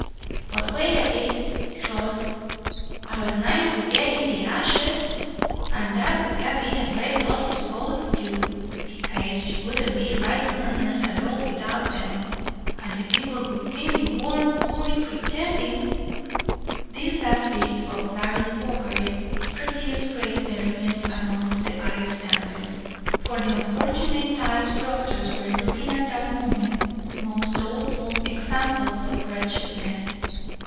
But wait a bit; throth, I was nigh forgettin' the ashes, and that would have been a great loss to both o' you, bekase you wouldn't be right murners at all without them, and the people would think you wor only purtendin'." This last bit of Larry's waggery produced great merriment amongst the by standers, for the unfortunate tithe proctors were looking at that moment most doleful examples of wretchedness.